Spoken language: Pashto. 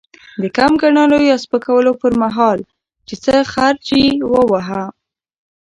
د کم ګڼلو يا سپکولو پر مهال؛ چې څه خرج يې وواهه.